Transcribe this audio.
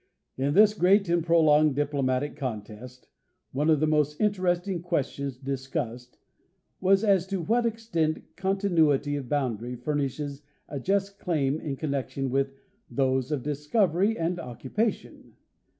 In this great and prolonged diplomatic contest, one of the most interesting questions discussed was as to what extent con tinuity of boundary furnishes a just claim in connection with those of discovery and occupation.